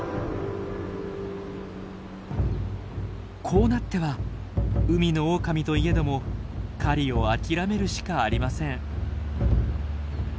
こうなっては海のオオカミといえども狩りを諦めるしかありません。